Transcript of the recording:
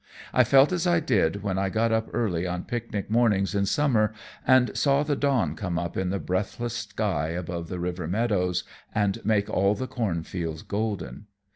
I felt as I did when I got up early on picnic mornings in summer, and saw the dawn come up in the breathless sky above the river meadows and make all the cornfields golden.